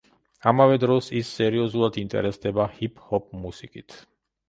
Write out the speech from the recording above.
ამავე დროს, ის სერიოზულად ინტერესდება ჰიპ-ჰოპ მუსიკით.